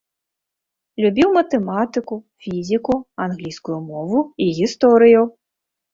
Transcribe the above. Любіў матэматыку, фізіку, англійскую мову і гісторыю.